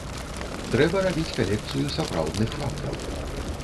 Трэба рабіць калекцыю сапраўдных фактаў.